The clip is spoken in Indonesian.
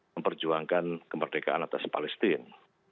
memperjuangkan kemerdekaan atas palestina